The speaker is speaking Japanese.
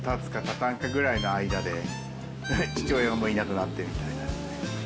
たんかぐらいの間で、父親もいなくなってみたいな。